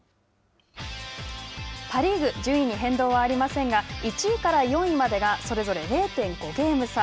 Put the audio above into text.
パ・リーグ順位に変動はありませんが１位から４位までがそれぞれ０．５ゲーム差。